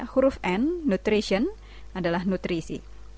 huruf n nutrition adalah nutrisi